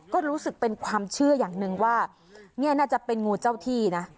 ก็รู้สึกเป็นความเชื่ออย่างหนึ่งว่านี่น่าจะเป็นงูเจ้าที่นะ